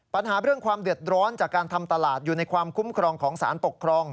ปัญหาเรื่องความเดือดร้อนจากการทำตลาดอยู่ในความคุ้มครองของสารปกครอง